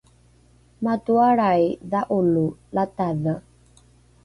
matoalrai dha’olo latadhe